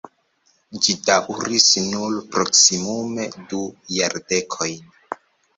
Ĝi daŭris nur proksimume du jardekojn.